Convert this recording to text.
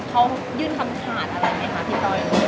เขายื่นคำขาดอะไรไหมคะพี่ตอย